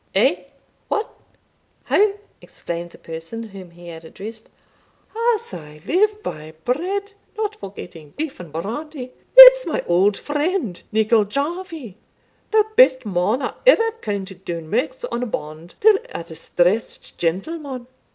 "Eh! what! how!" exclaimed the person whom he had addressed, "as I shall live by bread (not forgetting beef and brandy), it's my auld friend Nicol Jarvie, the best man that ever counted doun merks on a band till a distressed gentleman.